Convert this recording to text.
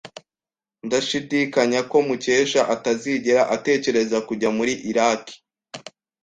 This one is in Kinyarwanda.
Ndashidikanya ko Mukesha atazigera atekereza kujya muri Iraki.